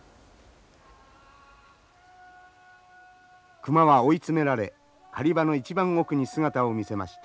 熊は追い詰められ狩り場の一番奥に姿を見せました。